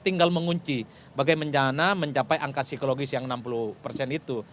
tinggal mengunci bagaimana mencapai angka psikologis yang enam puluh persen itu